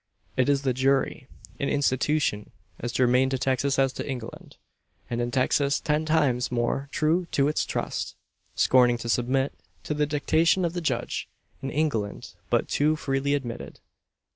It is the jury an "institution" as germane to Texas as to England; and in Texas ten times more true to its trust; scorning to submit to the dictation of the judge in England but too freely admitted.